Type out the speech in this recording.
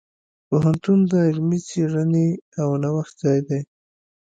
پوهنتون د علمي څیړنې او نوښت ځای دی.